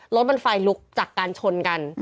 รถมันไฟลุกจากการชนกัน